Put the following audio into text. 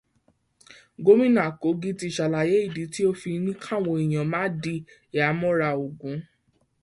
Gómìnà Kogí ti ṣàlàyé ìdí tó fi ní káwọn èèyàn máa di ìhámọ́ra ogun